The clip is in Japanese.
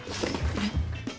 えっ。